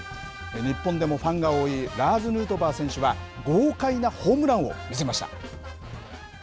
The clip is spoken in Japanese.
日本でもファンが多いラーズ・ヌートバー選手は、豪快なホームランを見せました。